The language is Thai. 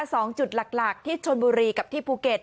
สองจุดหลักหลักที่ชนบุรีกับที่ภูเก็ต